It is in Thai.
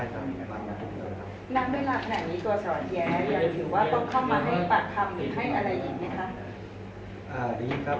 นานเวลานานนี้ตัวสวัสติแยกจะถือว่าก็เข้ามาให้ปากคำหรือถือให้อะไรอีกมั้ยครับ